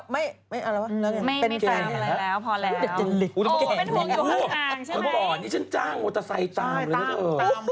เมื่อก่อนนี้ฉันจ้างว่าจะใส่ตามเลยนะเถอะ